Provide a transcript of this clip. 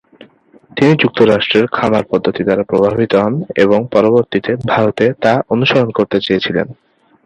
তিনি যুক্তরাষ্ট্রের খামার পদ্ধতি দ্বারা প্রভাবিত হন এবং পরবর্তীতে ভারতে তা অনুসরণ করতে চেয়েছিলেন।